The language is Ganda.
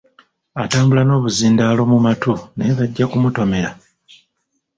Atambula n’obuzindaalo mu matu naye bajja kumutomera.